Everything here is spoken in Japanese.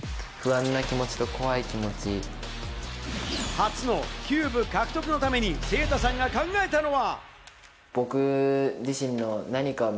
初のキューブ獲得のためにセイタさんが考えたのは。